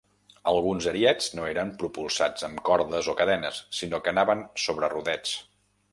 Alguns ariets no eren propulsats amb cordes o cadenes, sinó que anaven sobre rodets.